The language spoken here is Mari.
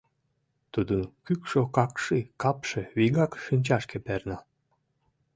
Тудын кӱкшӧ какши капше вигак шинчашке перна.